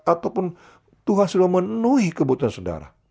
ataupun tuhan sudah memenuhi kebutuhan saudara